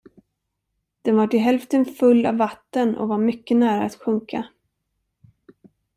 Den var till hälften full av vatten och var mycket nära att sjunka.